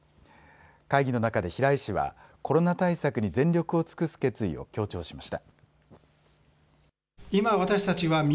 会議の中で平井氏はコロナ対策に全力を尽くす決意を強調しました。